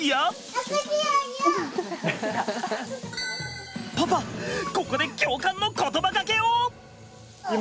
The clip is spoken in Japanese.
ここで共感の言葉がけを！